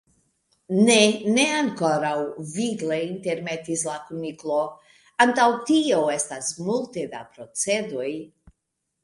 "Ne, ne ankoraŭ," vigle intermetis la Kuniklo. "Antaŭ tio estas multe da procedoj."